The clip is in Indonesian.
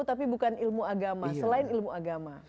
tapi bukan ilmu agama selain ilmu agama